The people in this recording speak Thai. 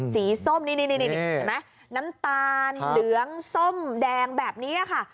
สีส้มนี่น้ำตาลเดื้องส้มแดงแบบนี้ค่ะ